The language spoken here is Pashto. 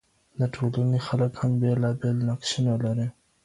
د ټولني خلګ هم بیلابیل نقشونه لري.